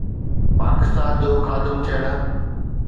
پاڪستان جو خادم ٿيڻ.